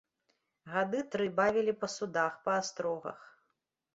Гады тры бавілі па судах, па астрогах.